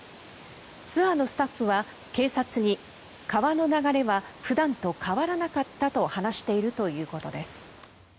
ツアーのスタッフは警察に川の流れは普段と変わらなかったと話しているということです。